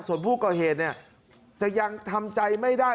ส่วนผู้ก่อเหตุเนี่ยจะยังทำใจไม่ได้